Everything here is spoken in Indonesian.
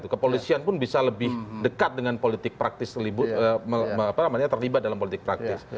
kepolisian pun bisa lebih dekat dengan politik praktis terlibat dalam politik praktis